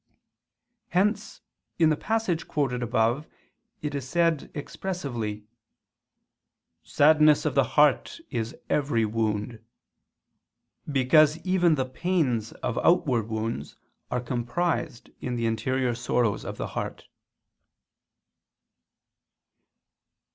Hence in the passage quoted above it is said expressively: "Sadness of the heart is every wound," because even the pains of outward wounds are comprised in the interior sorrows of the heart.